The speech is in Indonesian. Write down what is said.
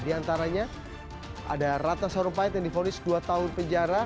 diantaranya ada ratna soropaya yang difonis dua tahun penjara